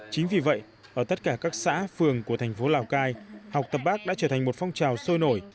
chính vì vậy ở tất cả các xã phường của thành phố lào cai học tập bác đã trở thành một phong trào sôi nổi